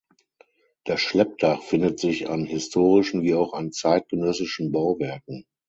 Das Schleppdach findet sich an historischen wie auch an zeitgenössischen Bauwerken.